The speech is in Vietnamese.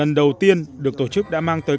lần đầu tiên được tổ chức đã mang tới